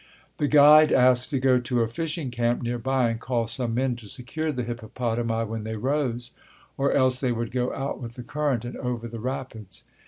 The guide asked to go to a fishing camp nearby and call some men to secure the hippopotami when they rose, or else they would go out with the current and over the rapids.